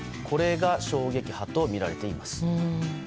これが衝撃波とみられています。